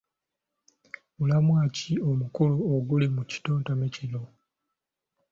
Mulamwa ki omukulu oguli mu kitontome kino?